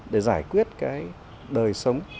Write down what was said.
để giải quyết cái đời sống